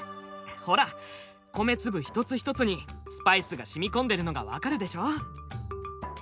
ほら米粒一つ一つにスパイスがしみこんでるのがわかるでしょ。